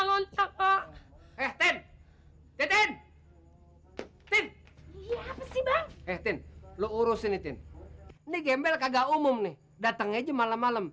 loncat pak eh ten ten ten ten ten lo urusin ini gembel kagak umum nih datang aja malam malam